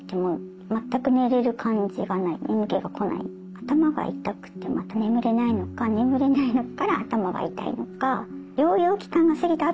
頭が痛くてまた眠れないのか眠れないから頭が痛いのか。